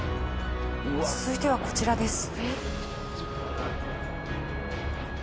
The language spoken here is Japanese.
続いてはこちらです。